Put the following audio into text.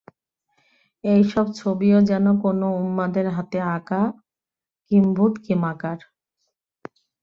এইসব ছবিও যেন কোনো উন্মাদের হাতে আঁকা, কিম্ভূতকিমাকার।